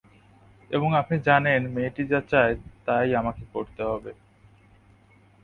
এবং আপনি জানেন মেয়েটি যা চায়, তাই আমাকে করতে হবে।